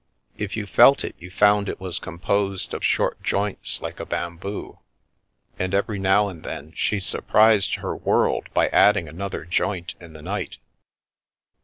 If you felt it you found it was composed of short joints like a bamboo, and every now and then she surprised her world by adding another joint in the night.